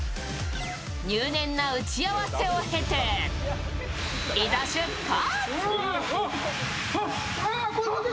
入念な打ち合わせを経ていざ出発。